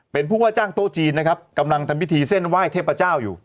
เป็นผู้ว่าจ้างโต๊ะจีนนะครับกำลังทำพิธีเส้นไหว้เทพเจ้าอยู่